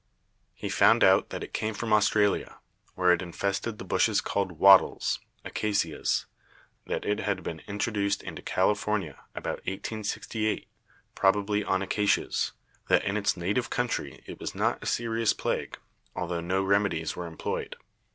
He found out that it came from Australia, where it infested the bushes called wattles (Acacias) ; that it had been introduced into California about 1868, probably on Acacias ; that in its native country it was not a serious plague, altho no remedies were em ployed.